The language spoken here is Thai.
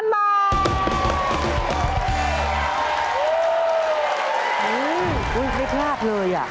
ไม่พลาดเลย